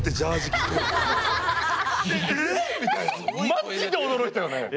まじで驚いたよね。